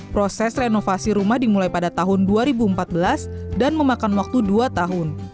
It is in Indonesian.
proses renovasi rumah dimulai pada tahun dua ribu empat belas dan memakan waktu dua tahun